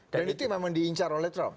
dan itu memang diincar oleh trump